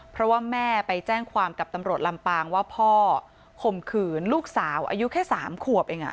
เพราะว่าแม่ไปแจ้งความกับตำรวจลำปางว่าพ่อข่มขืนลูกสาวอายุแค่๓ขวบเอง